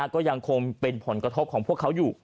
ก็ยังคงเป็นผลกระทบของพวกเขาอยู่